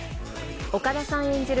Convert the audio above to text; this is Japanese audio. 岡田さん演じる